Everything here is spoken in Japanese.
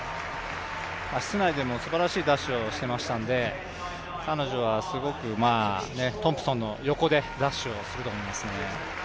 室内でもすばらしいダッシュをしてましたんで彼女はすごくトンプソンの横でダッシュをすると思いますね。